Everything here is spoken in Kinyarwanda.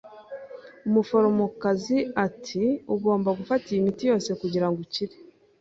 Umuforomokazi ati: "Ugomba gufata iyi miti yose kugirango ukire."